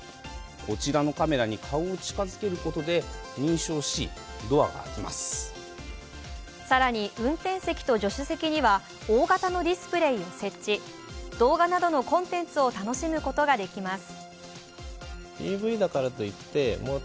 こちらのカメラに顔を近づけることで認証し更に運転席と助手席には大型のディスプレーを設置動画などのコンテンツを楽しむことができます